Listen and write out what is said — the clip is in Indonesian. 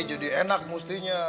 jadi enak mestinya